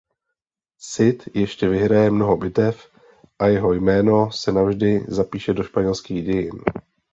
Cid ještě vyhraje mnoho bitev a jeho jméno se navždy zapíše do španělských dějin.